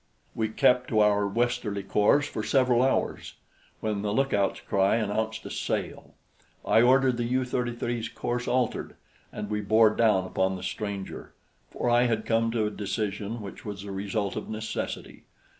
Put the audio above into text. We kept to our westerly course for several hours when the lookout's cry announced a sail. I ordered the U 33's course altered, and we bore down upon the stranger, for I had come to a decision which was the result of necessity.